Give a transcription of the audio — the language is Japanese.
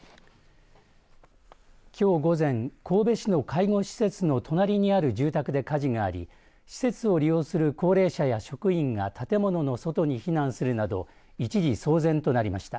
きょう午前神戸市の介護施設の隣にある住宅で火事があり施設を利用する高齢者や職員が建物の外に避難するなど一時騒然となりました。